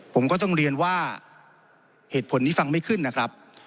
ผมก็ต้องเรียนว่าเหตุผลนี้ฟังไม่ขึ้นนะครับ